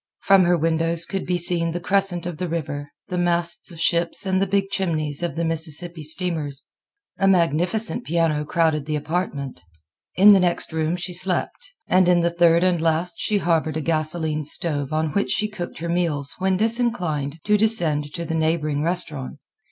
From her windows could be seen the crescent of the river, the masts of ships and the big chimneys of the Mississippi steamers. A magnificent piano crowded the apartment. In the next room she slept, and in the third and last she harbored a gasoline stove on which she cooked her meals when disinclined to descend to the neighboring restaurant.